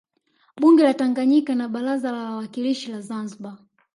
Bunge la Tanganyika na Baraza la Wawakilishi la Zanzibar